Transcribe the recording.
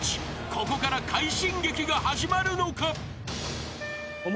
［ここから快進撃が始まるのか？］